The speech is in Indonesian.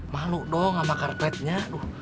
malu dong sama karpetnya